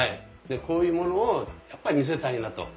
こういうものをやっぱり見せたいなと。